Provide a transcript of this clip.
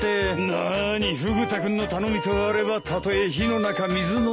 なにフグ田君の頼みとあればたとえ火の中水の中だよ。